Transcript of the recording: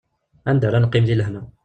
Anda ara neqqim deg lehna.